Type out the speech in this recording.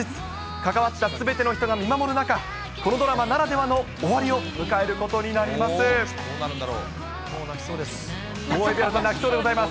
関わったすべての人が見守る中、このドラマならではの終わりを迎えることになります。